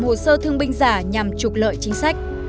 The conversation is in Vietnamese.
hồ sơ thương binh giả nhằm trục lợi chính sách